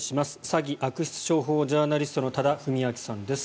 詐欺・悪質商法ジャーナリストの多田文明さんです。